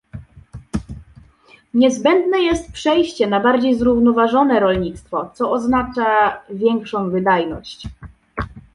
Niezbędne jest przejście na bardziej zrównoważone rolnictwo, co oznacza większą wydajność